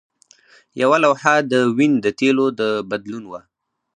یوه لوحه د وین د تیلو د بدلون وه